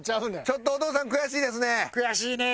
ちょっとお父さん悔しいですね。